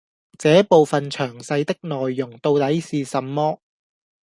這部分詳細的內容到底是什麼